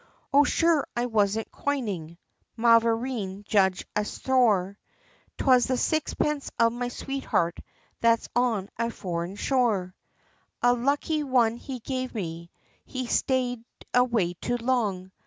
"O, sure I wasn't coinin', mavourneen judge asthore, 'Twas the sixpence of my sweetheart that's on a foreign shore. A lucky one he gave me, he stayed away too long.